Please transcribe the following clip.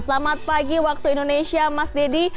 selamat pagi waktu indonesia mas deddy